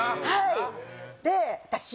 はいで私